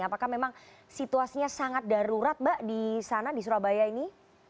karena memang situasinya sangat darurat mbak di sana di surabaya ini